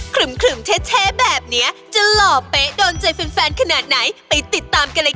ครึ่มเท่แบบนี้จะหล่อเป๊ะโดนใจแฟนขนาดไหนไปติดตามกันเลยค่ะ